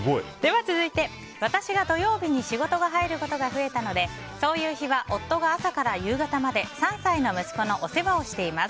続いて、私が土曜日に仕事に入ることが増えたのでそういう日は夫が朝から夕方まで３歳の息子のお世話をしています。